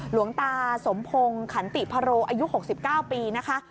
หลวงตาสมพงศ์ขันติพโรอายุ๖๙ปีนะคะ